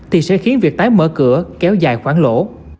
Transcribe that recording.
thì sẽ khiến việc tái mở cửa kéo dài khoảng lỗ